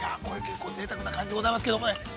これ結構ぜいたくな感じでございますけれどもね。